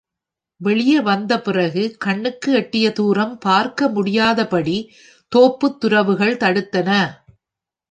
வெளியே வந்த பிறகு கண்ணுக்கு எட்டிய தூரம் பார்க்க முடியாதபடி தோப்புத் துரவுகள் தடுத்தன.